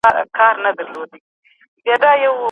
ارمان کاکا په خپلو کڅوړنو سترګو باغ ته کتل.